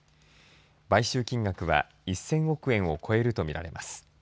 買収金額は１０００億円を超えるとみられます。